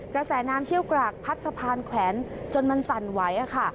กระแสน้ำเชี่ยวกรากพัดสะพานแขวนจนมันสั่นไหวค่ะ